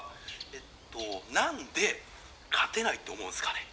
えっと何で勝てないと思うんすかね？